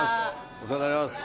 お世話になります。